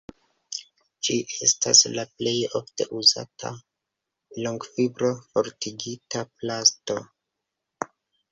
Ĝi estas la plej ofte uzata longfibro-fortigita plasto.